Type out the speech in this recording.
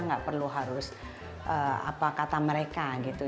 nggak perlu harus apa kata mereka gitu